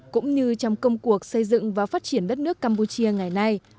cũng như trong công cuộc xây dựng và phát triển đất nước campuchia ngày nay